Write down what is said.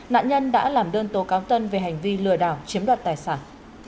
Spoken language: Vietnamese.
nạn nhân đã làm đơn tố cáo tân về hành vi lừa đảo chiếm đoạt tài sản